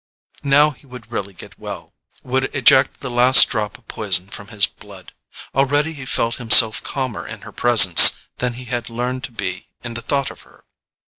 Now he would really get well—would eject the last drop of poison from his blood. Already he felt himself calmer in her presence than he had learned to be in the thought of her.